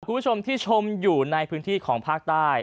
คุณผู้ชมที่ชมอยู่ในพื้นที่ของภาคใต้